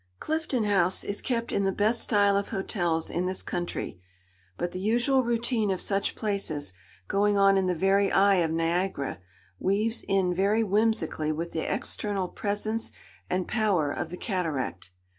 Clifton House is kept in the best style of hotels in this country; but the usual routine of such places, going on in the very eye of Niagara, weaves in very whimsically with the eternal presence and power of the cataract.